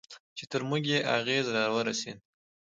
چې تر موږ یې اغېز راورسېد.